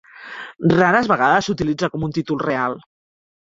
Rares vegades s'utilitza com un títol real.